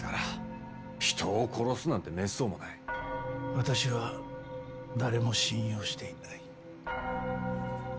私は誰も信用していない。